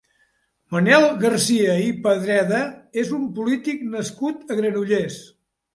Manel Garcia i Padreda és un polític nascut a Granollers.